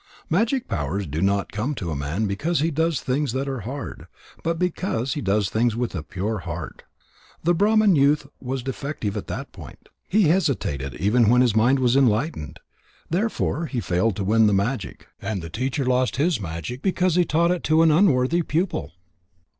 Magic powers do not come to a man because he does things that are hard, but because he does things with a pure heart. The Brahman youth was defective at that point. He hesitated even when his mind was enlightened. Therefore he failed to win the magic. And the teacher lost his magic because he taught it to an unworthy pupil."